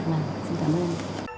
vâng xin cảm ơn